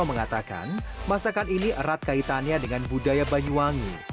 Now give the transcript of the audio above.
mengatakan masakan ini erat kaitannya dengan budaya banyuwangi